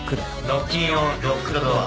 『ノッキンオン・ロックドドア』